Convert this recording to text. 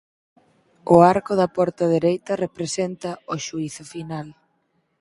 O arco da porta dereita representa o Xuízo Final.